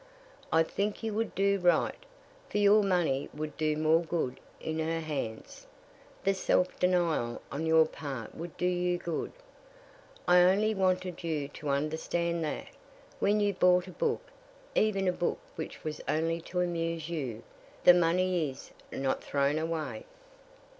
"I think you would do right, for your money would do more good in her hands. The self denial on your part would do you good. I only wanted you to understand that, when you bought a book, even a book which was only to amuse you, the money is not thrown away.